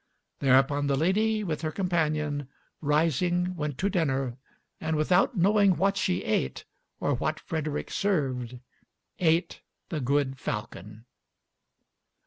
Thereupon, the lady with her companion, rising, went to dinner, and without knowing what she ate or what Frederick served, ate the good falcon.